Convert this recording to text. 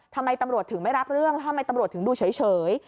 ทำไมตำรวจถึงไม่รับเรื่องแล้วทำไมตำรวจถึงดูเฉย